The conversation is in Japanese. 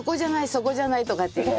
そこじゃない！」とかって言いながら。